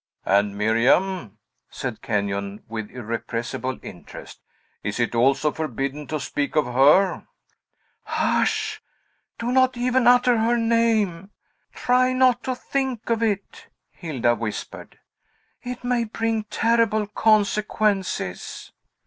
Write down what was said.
"And Miriam!" said Kenyon, with irrepressible interest. "Is it also forbidden to speak of her?" "Hush! do not even utter her name! Try not to think of it!" Hilda whispered. "It may bring terrible consequences!"